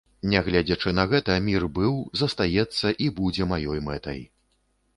Нягледзячы на гэта, мір быў, застаецца і будзе маёй мэтай.